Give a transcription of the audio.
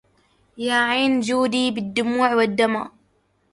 يا عين جودي بالدموع وبالدما